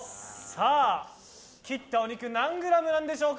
切ったお肉何グラム何でしょうか。